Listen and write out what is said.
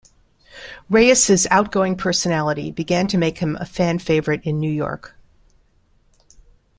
Reyes' outgoing personality began to make him a fan favorite in New York.